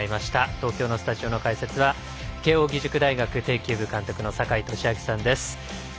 東京のスタジオの解説は慶応義塾大学庭球部監督の坂井利彰さんです。